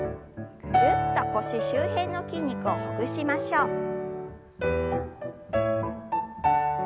ぐるっと腰周辺の筋肉をほぐしましょう。